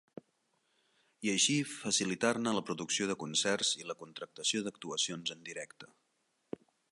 I així facilitar-ne la producció de concerts i la contractació d'actuacions en directe.